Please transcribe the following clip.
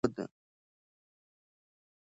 پاسپورت پنځه میاشتې نور هم اعتبار درلود.